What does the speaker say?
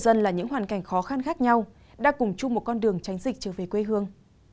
dân là những hoàn cảnh khó khăn khác nhau đang cùng chung một con đường tránh dịch trở về quê hương